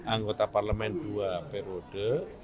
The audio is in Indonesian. anggota parlemen dua periode